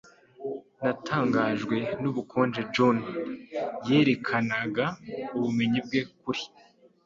Natangajwe n'ubukonje John yerekanaga ubumenyi bwe kuri